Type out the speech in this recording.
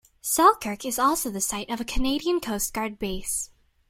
Selkirk is also the site of a Canadian Coast Guard base.